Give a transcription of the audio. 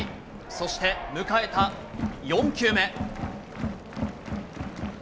そして迎えた４球目。